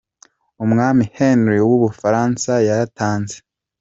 Umwami Henry wa w’ubufaransa yaratanze.